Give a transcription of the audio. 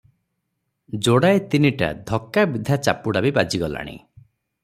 ଯୋଡ଼ାଏ ତିନିଟା ଧକା ବିଧା ଚାପୁଡ଼ା ବି ବାଜିଗଲାଣି ।